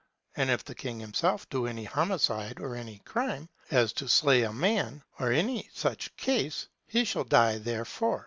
And if the king himself do any homicide or any crime, as to slay a man, or any such case, he shall die there for.